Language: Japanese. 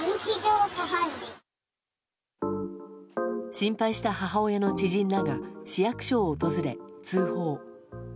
心配した母親の知人らが市役所を訪れ通報。